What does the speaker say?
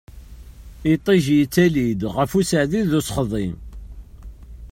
Iṭij yettali-d ɣef useɛdi d usexḍi.